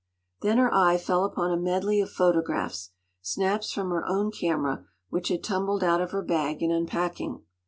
Then her eye fell upon a medley of photographs; snaps from her own camera, which had tumbled out of her bag in unpacking.